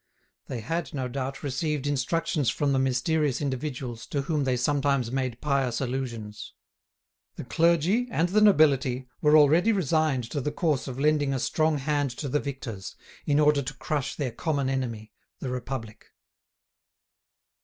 They had, no doubt, received instructions from the mysterious individuals to whom they sometimes made pious allusions. The clergy and the nobility were already resigned to the course of lending a strong hand to the victors, in order to crush their common enemy, the Republic.